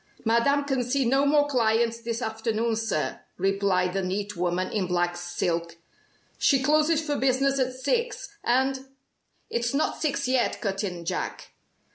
"Madame can see no more clients this afternoon, sir," replied the neat woman in black silk. "She closes for business at six, and " "It's not six yet," cut in Jack.